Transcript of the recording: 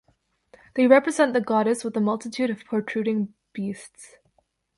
They represent the goddess with a multitude of protruding beasts.